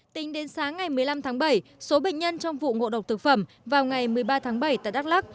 tính đến sáng ngày một mươi năm tháng bảy số bệnh nhân trong vụ ngộ độc thực phẩm vào ngày một mươi ba tháng bảy tại đắk lắc